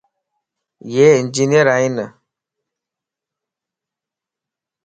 يي انجينئر ائين